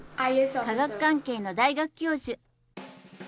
科学関係の大学教授。